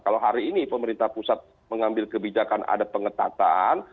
kalau hari ini pemerintah pusat mengambil kebijakan ada pengetatan